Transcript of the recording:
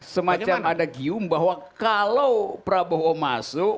semacam ada gium bahwa kalau prabowo masuk